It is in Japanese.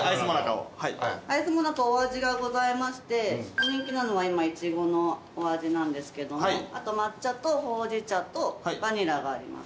アイスもなかお味がございまして人気なのは今いちごのお味なんですけどもあと抹茶とほうじ茶とバニラがあります。